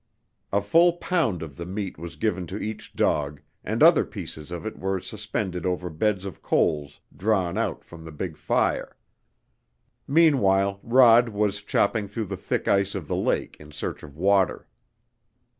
A full pound of the meat was given to each dog, and other pieces of it were suspended over beds of coals drawn out from the big fire. Meanwhile Rod was chopping through the thick ice of the lake in search of water.